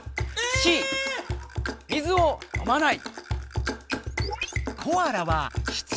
⁉Ｃ水をのまない。